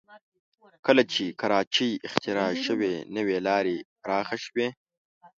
کله چې کراچۍ اختراع شوې نو لارې پراخه شوې